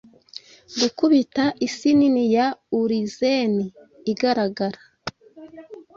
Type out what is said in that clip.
gukubita Isi nini ya Urizeni igaragara